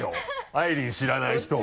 あいりん知らない人は。